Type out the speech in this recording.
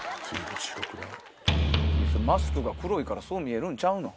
マスクが黒いからそう見えるんちゃうの？